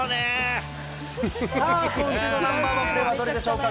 さあ、今週のナンバー１プレーはどれでしょうか。